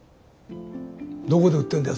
どこで売ってんだよ